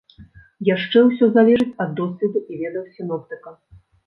Яшчэ ўсё залежыць ад досведу і ведаў сіноптыка.